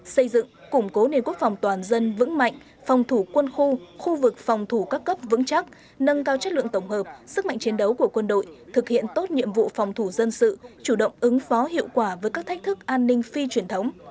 xây dựng củng cố nền quốc phòng toàn dân vững mạnh phòng thủ quân khu khu vực phòng thủ các cấp vững chắc nâng cao chất lượng tổng hợp sức mạnh chiến đấu của quân đội thực hiện tốt nhiệm vụ phòng thủ dân sự chủ động ứng phó hiệu quả với các thách thức an ninh phi truyền thống